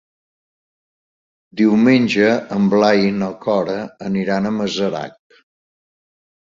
Diumenge en Blai i na Cora aniran a Masarac.